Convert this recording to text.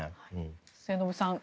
末延さん